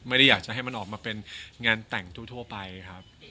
อยากจะให้มันออกมาเป็นงานแต่งทั่วไปครับ